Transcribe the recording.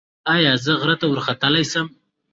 ایا زه غره ته وختلی شم؟